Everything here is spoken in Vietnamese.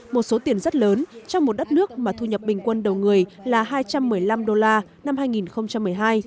một số tiền rất lớn trong một đất nước mà thu nhập bình quân đầu người là hai trăm một mươi năm đô la năm hai nghìn một mươi hai